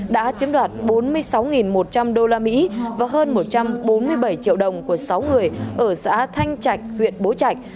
đã chiếm đoạt bốn mươi sáu một trăm linh usd và hơn một trăm bốn mươi bảy triệu đồng của sáu người ở xã thanh trạch huyện bố trạch